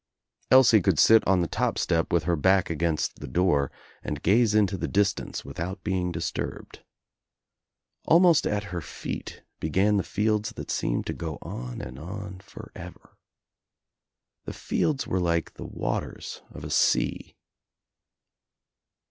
Elsie could sit on the top step with her back against the door and gaze into the distance without being disturbed. Al most at her feet began the fields that seemed to go on and on forever. The fields were like the waters of a sea.